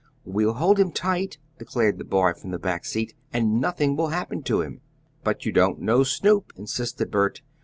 "We'll hold him tight," declared the boy from the back seat, "and nothing will happen to him." "But you don't know Snoop," insisted Bert.